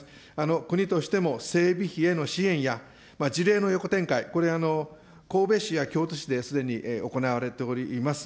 国としても整備費への支援や事例の横展開、これ、神戸市や京都市ですでに行われております。